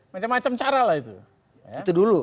macam macam caralah itu itu dulu